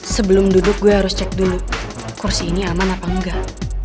sebelum duduk gue harus cek dulu kursi ini aman apa enggak